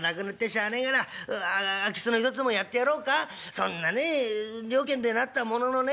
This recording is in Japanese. そんなね了見でなったもののね